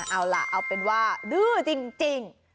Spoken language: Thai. เอาล่ะเอาเป็นว่าดื้อจริง